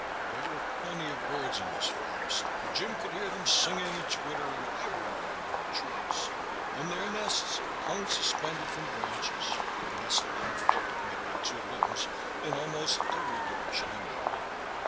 There were plenty of birds in this forest, for Jim could hear them singing and twittering everywhere among the trees; and their nests hung suspended from branches, or nestled in a fork made by two limbs, in almost every direction he might look.